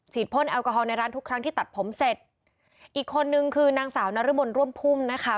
พ่นแอลกอฮอลในร้านทุกครั้งที่ตัดผมเสร็จอีกคนนึงคือนางสาวนรมนร่วมพุ่มนะคะ